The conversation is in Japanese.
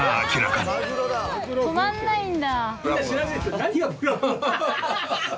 「止まらないんだ」